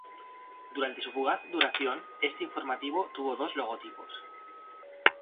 Durante su fugaz duración, este informativo tuvo dos logotipos.